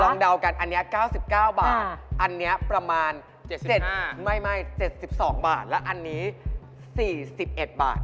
เดากันอันนี้๙๙บาทอันนี้ประมาณ๗ไม่๗๒บาทและอันนี้๔๑บาท